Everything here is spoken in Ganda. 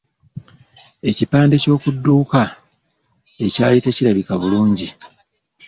Ekipande ky'oku dduuka ekyali tekirabika bulungi.